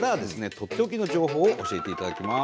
とっておきの情報を教えていただきます。